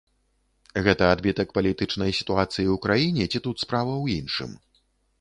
Гэта адбітак палітычнай сітуацыі ў краіне ці тут справа ў іншым?